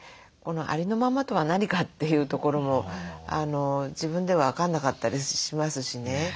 ありのままとは何か？というところも自分では分かんなかったりしますしね。